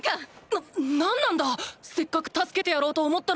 ななんなんだ⁉せっかく助けてやろうと思ったのに！